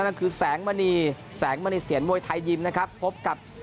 นั่นคือแสงมณีเสียนมวยไทยยิมนะครับ